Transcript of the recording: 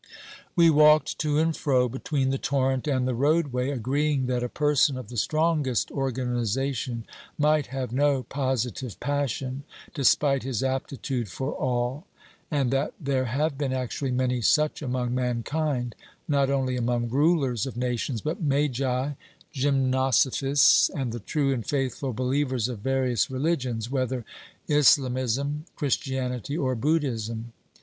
We walked to and fro between the torrent and the road way, agreeing that a person of the strongest organisation might have no positive passion, despite his aptitude for all, and that there have been actually many such among mankind, not only among rulers of nations, but magi, gym nosophists, and the true and faithful believers of various religions, whether Islamism, Christianity, or Buddhism.